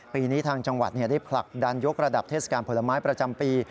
ปีนี้ทางจังหวัดได้ผลักดันยกระดับเทศกาลผลไม้ประจำปี